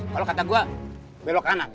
kalau kata gua belok kanan